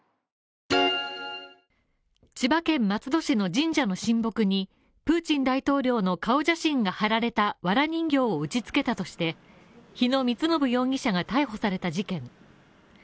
千葉県松戸市の神社の神木にプーチン大統領の顔写真が貼られたわら人形を打ち付けたとして日野充信容疑者が逮捕された事件。